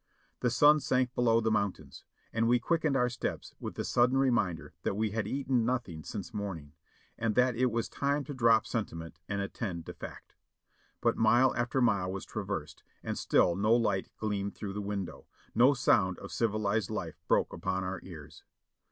The sun sank below the mountains, and we quickened our steps with the sudden reminder that we had eaten nothing since morning, and that it was time to drop sentiment and attend to fact. But mile after mile was traversed, and still no light gleamed through the window, no sound of civilized life broke upon our ears.